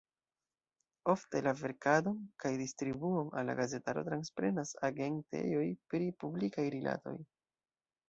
Ofte la verkadon kaj distribuon al la gazetaro transprenas agentejoj pri publikaj rilatoj.